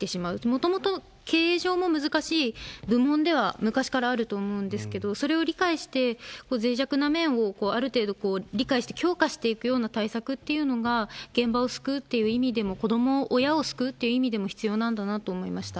もともと経営上も難しい部門では、昔からあると思うんですけれども、それを理解して、ぜい弱な面をある程度理解して、強化していくような対策っていうのが、現場を救うっていう意味でも、子ども、親を救うという意味でも必要なんだなと思いました。